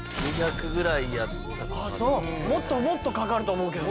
もっともっとかかると思うけどね。